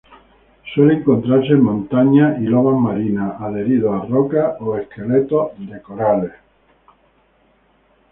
Suele encontrarse en montañas y lomas marinas, adherido a rocas o esqueletos de corales.